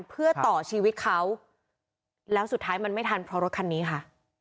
เพื่อต่อชีวิตเขาแล้วสุดท้ายมันไม่ทันเพราะรถคันนี้ค่ะ